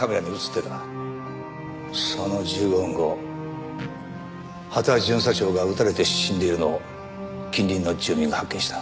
その１５分後羽田巡査長が撃たれて死んでいるのを近隣の住民が発見した。